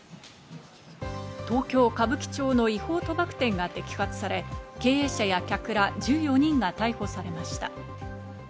東京・歌舞伎町の違法賭博店が摘発され、経営者や客ら１４人が逮捕されました。